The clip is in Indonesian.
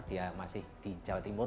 dia masih di jawa timur